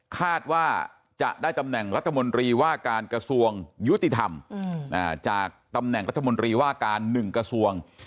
คาดว่าจะได้ตำแหน่งรัฐมนตรีว่าการกระทรวงยุติธรรมจากตำแหน่งรัฐมนตรีว่าการ๑กระทรวง